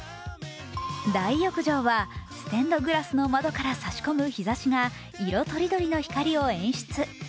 大浴場はステンドグラスの窓から差し込む日ざしが、色とりどりの光を演出。